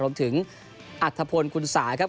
รวมถึงอัธพลคุณสาครับ